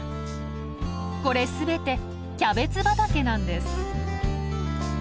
これ全てキャベツ畑なんです。